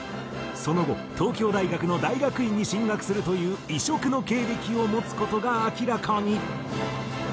その後東京大学の大学院に進学するという異色の経歴を持つ事が明らかに。